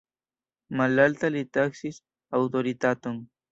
Malalta li taksis aŭtoritaton.